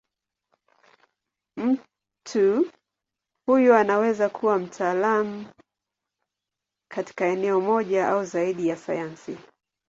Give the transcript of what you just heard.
Mtu huyo anaweza kuwa mtaalamu katika eneo moja au zaidi ya sayansi.